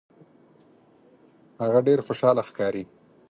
هغه ډیر خوشحاله ښکاري.